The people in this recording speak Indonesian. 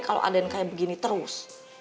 kalau aden kayak begini terus